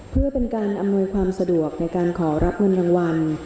เพื่อเป็นการอำนวยความสะดวกในการขอรับเงินรางวัล